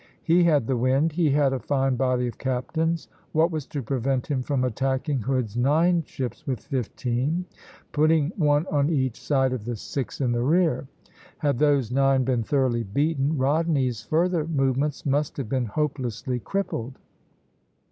He had the wind, he had a fine body of captains; what was to prevent him from attacking Hood's nine ships with fifteen, putting one on each side of the six in the rear. Had those nine been thoroughly beaten, Rodney's further movements must have been hopelessly crippled.